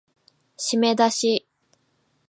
しめだし